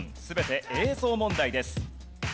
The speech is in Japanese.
全て映像問題です。